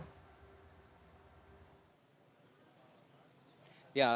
ya selamat siang